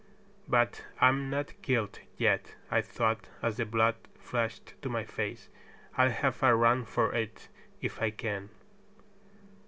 "But I'm not killed yet," I thought, as the blood flushed to my face. "I'll have a run for it, if I can."